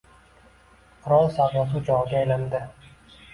Qurol savdosi oʻchogʻiga aylandi